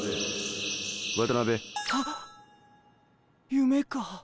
夢か。